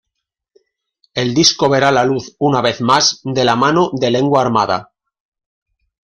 El disco verá la luz, una vez más, de la mano de Lengua Armada.